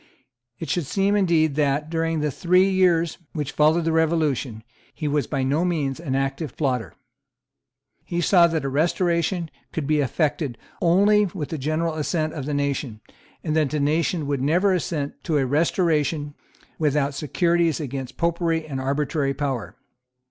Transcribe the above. It should seem indeed that, during the three years which followed the Revolution, he was by no means an active plotter. He saw that a Restoration could be effected only with the general assent of the nation, and that the nation would never assent to a Restoration without securities against Popery and arbitrary power.